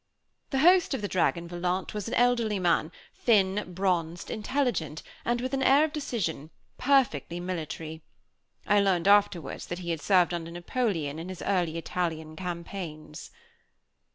The host of the Dragon Volant was an elderly man, thin, bronzed, intelligent, and with an air of decision, perfectly military. I learned afterwards that he had served under Napoleon in his early Italian campaigns.